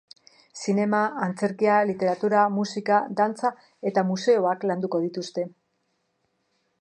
Zinema, antzerkia, literatura, musika, dantza eta museoak landuko dituzte.